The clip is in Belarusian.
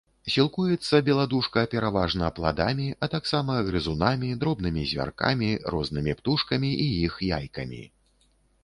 Сілкуецца беладушка пераважна пладамі, а таксама грызунамі, дробнымі звяркамі, рознымі птушкамі і іх яйкамі.